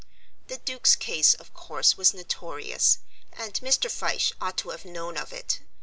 The Duke's case, of course, was notorious, and Mr. Fyshe ought to have known of it.